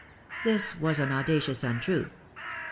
This was an audacious untruth.